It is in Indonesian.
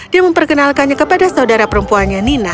dia memperkenalkannya kepada saudara perempuannya nina